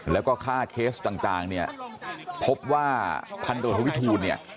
แล้วก็ฆ่าเคสต่างพบว่าพันธุ์ตมทวิทูล